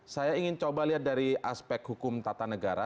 saya ingin coba lihat dari aspek hukum tata negara